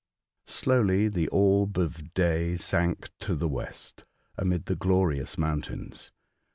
Slowly the orb of day sank to the west, amid the glorious mountains.